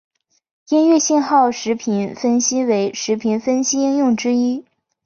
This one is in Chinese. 音乐信号时频分析为时频分析应用之一。